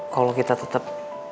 kalau kita tetap